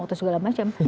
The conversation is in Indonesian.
atau segala macam